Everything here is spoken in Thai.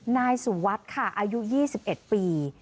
นายสุวัสดิ์ค่ะอายุ๒๑ปี